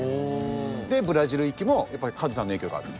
でブラジル行きもやっぱりカズさんの影響があって。